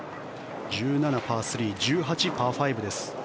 １７、パー３１８、パー５です。